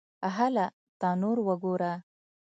_هله! تنور وګوره!